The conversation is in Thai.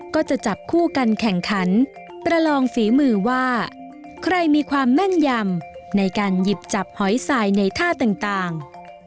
ก็จะจับคู่กันแข่งขันประลองฝีมือว่าใครมีความแม่นยำในการหยิบจับหอยสายในท่าต่าง